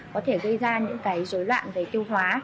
có thể gây ra những cái dối loạn về tiêu hóa